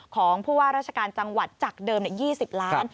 ของผู้ว่าราชการจังหวัดจากเดิม๒๐ล้าน